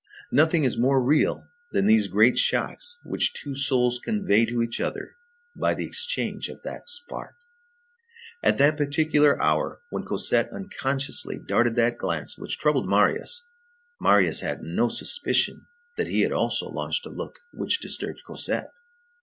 Nothing is more real than these great shocks which two souls convey to each other by the exchange of that spark. At that particular hour when Cosette unconsciously darted that glance which troubled Marius, Marius had no suspicion that he had also launched a look which disturbed Cosette.